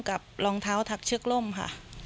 กับรองเท้าถักเชือกร่มค่ะ